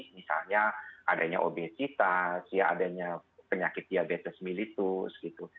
misalnya adanya obesitas ya adanya penyakit diabetes mellitus gitu